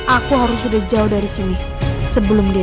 aku harus sudah jauh dari sini sebelum dia